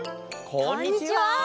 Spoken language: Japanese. こんにちは！